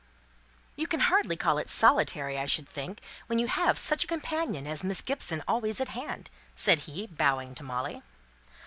"You can hardly call it solitary, I should think, when you have such a companion as Miss Gibson always at hand," said he, bowing to Molly.